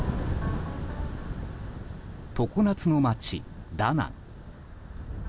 常夏の街、ダナン。